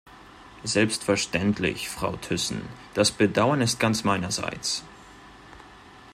Selbstverständlich, Frau Thyssen, das Bedauern ist ganz meinerseits.